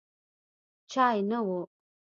چای نه و.